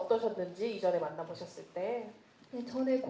ก็ปลุงกันไม่อยากจริง